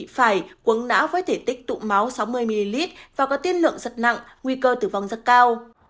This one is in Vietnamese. phải quấn não với thể tích tụ máu sáu mươi ml và có tiên lượng rất nặng nguy cơ tử vong rất cao